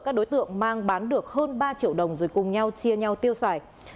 các đối tượng mang bán được hơn ba triệu đồng rồi cùng nhau chia nhau tiêu xài